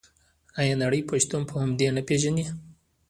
آیا نړۍ پښتون په همدې نه پیژني؟